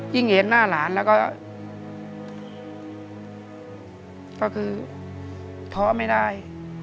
เห็นหน้าหลานแล้วก็คือท้อไม่ได้